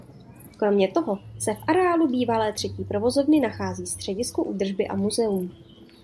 Kromě toho se v areálu bývalé třetí vozovny nachází středisko údržby a muzeum.